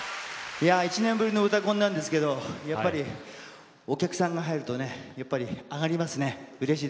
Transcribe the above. １年ぶりの「うたコン」なんですけれどもやっぱりお客さんが入ると上がりますね。